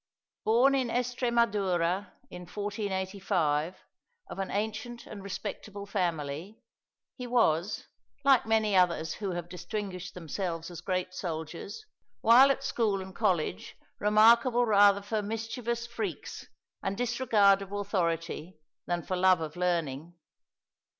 Born in Estremadura in 1485, of an ancient and respectable family, he was like many others who have distinguished themselves as great soldiers while at school and college remarkable rather for mischievous freaks, and disregard of authority, than for love of learning.